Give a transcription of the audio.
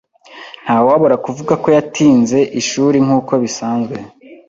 Ntawabura kuvuga ko yatinze ishuri nkuko bisanzwe.